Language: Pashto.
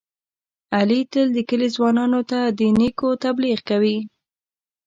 علي تل د کلي ځوانانو ته د نېکو تبلیغ کوي.